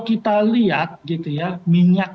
kita lihat gitu ya minyak